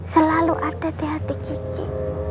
selalu ada di hati kiki